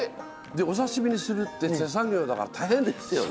お刺身にするって手作業だから大変ですよね。